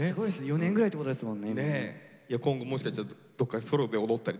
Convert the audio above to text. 今後もしかしたらどっかでソロで踊ったりとかね。